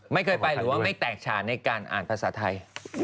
ไม่เคยไปหรือว่าไม่แตกฉานในการอ่านภาษาไทย